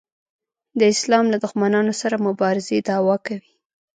د اسلام له دښمنانو سره مبارزې دعوا کوي.